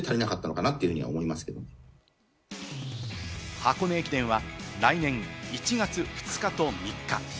箱根駅伝は来年１月２日と３日。